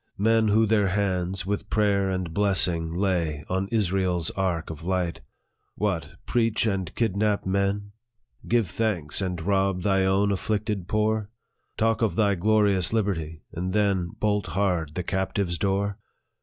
Men who their hands, with prayer and blessing, lay On Israel's ark of light " What ! preach, and kidnap men ? Give thanks, and rob thy own afflicted poor ? Talk of thy glorious liberty, and then Bolt hard the captive's door